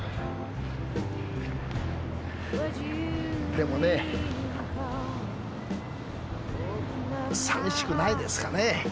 でもねさみしくないですかね？